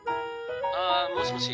あーもしもし